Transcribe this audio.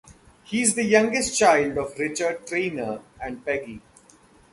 He is the youngest child of Richard Treanor and Peggy.